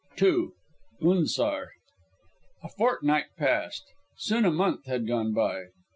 II. UNZAR A fortnight passed. Soon a month had gone by.